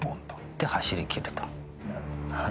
で走りきると。